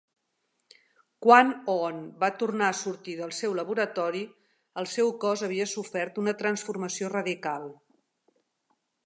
Quan Ohnn va tornar a sortir del seu laboratori, el seu cos havia sofert una transformació radical.